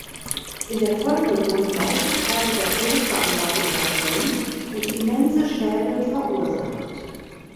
In der Folge wurden weite Teile der Klosteranlage überschwemmt und immense Schäden verursacht.